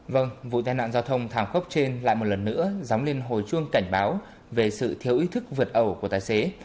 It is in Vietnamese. vâng vụ tai nạn giao thông thảm khốc trên lại một lần nữa dóng lên hồi chuông cảnh báo về sự thiếu ý thức vượt ẩu của tài xế